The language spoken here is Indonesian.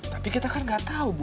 tapi kita kan nggak tau bu